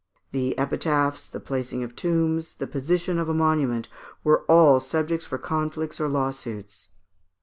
The epitaphs, the placing of tombs, the position of a monument, were all subjects for conflicts or lawsuits.